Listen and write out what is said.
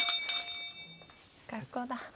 学校だ。